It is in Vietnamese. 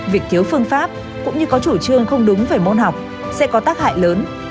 việc thiếu phương pháp cũng như có chủ trương không đúng về môn học sẽ có tác hại lớn